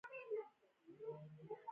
لوگر د افغانستان طبعي ثروت دی.